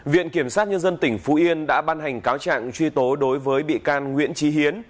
viện kiểm sát nhân dân tỉnh phú yên đã ban hành cáo trạng truy tố đối với bị can nguyễn trí hiến